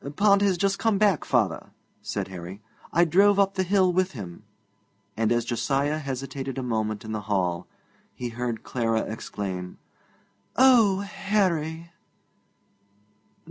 'Pond has just come back, father,' said Harry; 'I drove up the hill with him.' And as Josiah hesitated a moment in the hall, he heard Clara exclaim, 'Oh, Harry!'